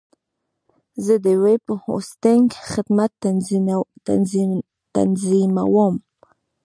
زه د ویب هوسټنګ خدمت تنظیموم.